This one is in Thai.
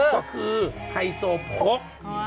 ก็คือไฮโซโพก